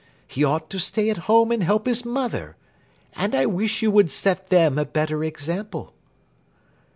He ought to stay at home and help his mother. And I wish you would set them a better example."